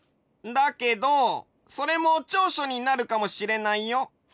だけどそれも長所になるかもしれないよ。